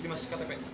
ini mas ktp